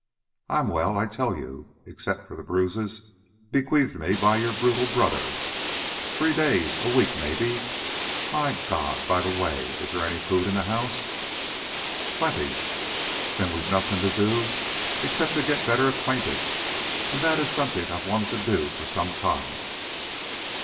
"I'm well, I tell you, except for the bruises bequeathed me by your brutal brother. Three days a week, maybe! My God! By the way, is there any food in the house?" "Plenty." "Then we've nothing to do except get better acquainted, and that is something I've wanted to do for some time."